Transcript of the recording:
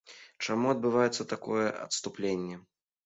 Чаму адбываецца такое адступленне?